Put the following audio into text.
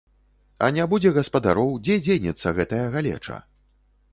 А не будзе гаспадароў, дзе дзенецца гэтая галеча?